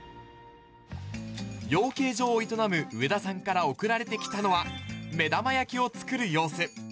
養鶏場を営む上田さんから送られてきたのは、目玉焼きを作る様子。